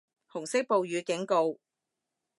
紅色暴雨警告